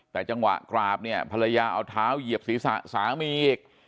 แต่จังหวะกราบเนี่ยภรรยาเอาเท้าเหยียบศีรษะสามีอีก